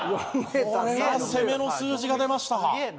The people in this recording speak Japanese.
これは攻めの数字が出ました。